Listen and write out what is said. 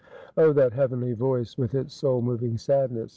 Oh, that heavenly voice, with its soul moving sadness